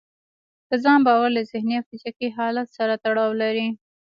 په ځان باور له ذهني او فزيکي حالت سره تړاو لري.